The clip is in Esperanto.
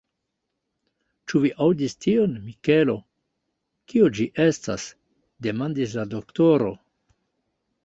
Ĉu vi aŭdis tion, Mikelo? Kio ĝi estas? demandis la doktoro.